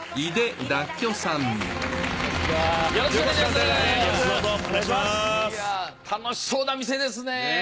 いや楽しそうな店ですね。